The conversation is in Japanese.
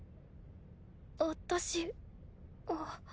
私は。